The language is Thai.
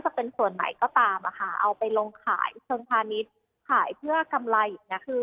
จะเป็นส่วนไหนก็ตามเอาไปลงส่วนภาพนี้หายเพื่อกำไรแน่